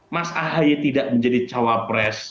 mas ahaye tidak menjadi cawapres